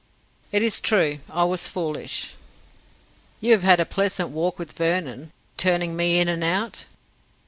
"It is true. I was foolish." "You have had a pleasant walk with Vernon turning me in and out?"